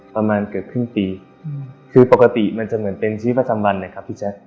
ประมาณเกือบครึ่งปีคือปกติมันจะเหมือนเป็นชีวิตประจำวันเลยครับพี่แจ๊ค